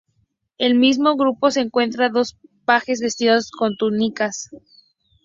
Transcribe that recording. En el mismo grupo se muestran dos pajes vestidos con túnicas.